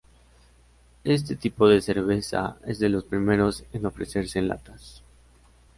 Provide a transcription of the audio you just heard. Este tipo de cerveza es de los primeros en ofrecerse en latas.